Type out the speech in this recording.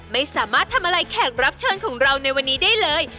ไม่สามารถทำอะไรแขกรับเชิญของเราในวันนี้ได้เลย